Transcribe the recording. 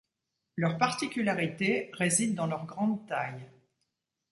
Leur particularité réside dans leur grande taille.